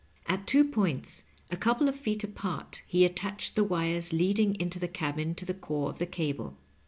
At two points a couple of feet apart he attached the wires lead ing into the cabin to the core of the cable.